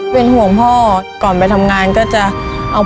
เป็นห่วงพ่อก่อนไปทำงานก็จะเอามา